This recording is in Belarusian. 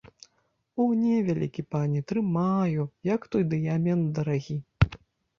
О не, вялікі пане, трымаю, як той дыямент дарагі!